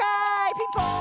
ピンポーン！